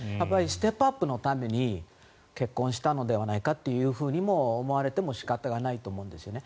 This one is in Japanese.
ステップアップのために結婚したのではないかと思われても仕方がないと思うんですよね。